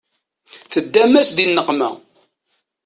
Teddam-as di nneqma